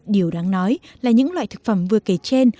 điều đáng nói là những loại thực phẩm vừa kể trên